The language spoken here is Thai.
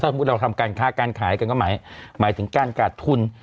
ถ้าสมมุติเราทำการค่าการขายกันก็หมายหมายถึงการการทุน